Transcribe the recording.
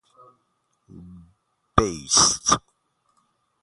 بایست